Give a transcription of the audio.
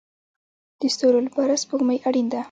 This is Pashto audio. د ستورو لپاره سپوږمۍ اړین ده